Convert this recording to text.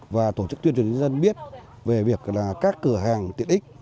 và tổ chức tuyên truyền dân biết về việc là các cửa hàng tiện ích